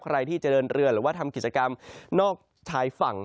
ใครที่จะเดินเรือหรือว่าทำกิจกรรมนอกชายฝั่ง